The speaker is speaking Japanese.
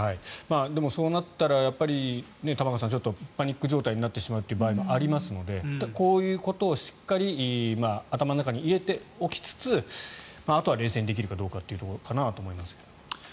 でもそうなったらやっぱり、玉川さんちょっとパニック状態になってしまうこともありますのでこういうことをしっかり頭の中に入れておきつつあとは冷静にできるかどうかというところかなと思いますが。